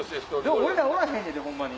俺らおらへんねんでホンマに。